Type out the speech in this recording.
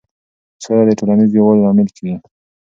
سوله د ټولنیز یووالي لامل کېږي.